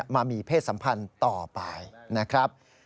มามีเพศสัมพันธ์ต่อไปนะครับ